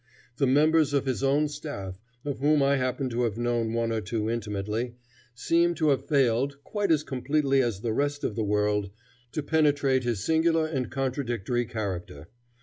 The members of his own staff, of whom I happen to have known one or two intimately, seem to have failed, quite as completely as the rest of the world, to penetrate his singular and contradictory character.